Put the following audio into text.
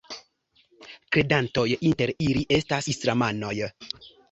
Kredantoj inter ili estas islamanoj.